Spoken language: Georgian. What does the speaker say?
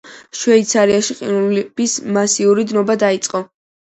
შვეიცარიაში ყინულების მასიური დნობა დაიწყო.